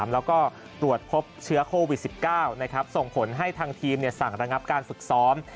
แล้วก็ตรวจพบเชื้อโควิด๑๙ส่งผลให้ทางทีมสั่งระงับการฝึกซ้อม